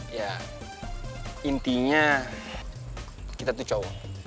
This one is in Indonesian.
ya intinya kita tuh cowok